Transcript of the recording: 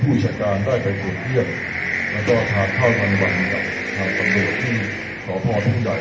ผู้อิจฉาการได้ไปกรุงเรียนแล้วก็พาเข้าทางวันกับทางกำเนิดที่ขอพ่อผู้ใหญ่